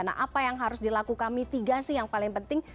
nah apa yang harus dilakukan mitigasi yang paling penting